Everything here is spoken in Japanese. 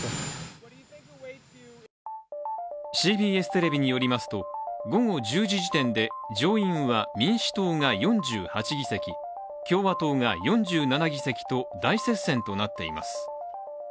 ＣＢＳテレビによりますと、午後１０時時点で上院は民主党が４８議席共和党が４７議席と大接戦となっています。